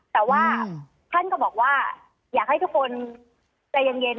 แต่ว่าท่านก็บอกว่าอยากให้ทุกคนใจเย็น